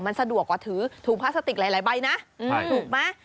มันสะดวกกว่าถือถุงพลาสติกหลายใบนะถูกไหม